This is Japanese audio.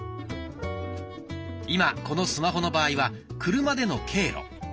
今このスマホの場合は「車での経路」